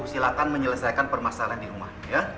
silahkan menyelesaikan permasalahan di rumah